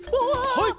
はい！